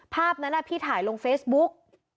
ภาพนั้นพี่ถ่ายลงเฟซบุ๊ก